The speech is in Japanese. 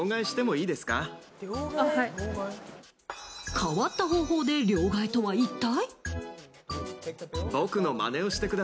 変わった方法で両替とは一体。